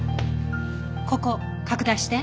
ここ拡大して。